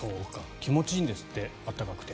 気持ちいいんですって。温かくて。